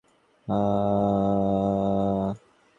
দেউড়ির ঘণ্টাতে বাজল দুটো।